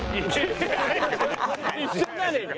一緒じゃねえか。